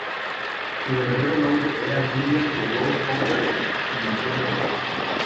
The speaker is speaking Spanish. Su verdadero nombre era William De Wolf Hopper, y nació en Nueva York.